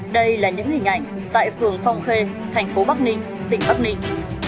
đây là những hình ảnh tại phường phong khê thành phố bắc ninh tỉnh bắc ninh